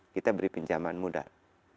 kita beli pinjaman modal